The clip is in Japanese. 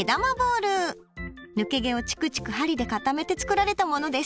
抜け毛をチクチク針で固めて作られたものです。